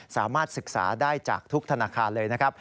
สามารถศึกษาได้จากทุกธนาคารเลยนะครับ